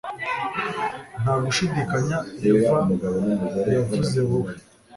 Nta gushidikanya Eva yavuze wowe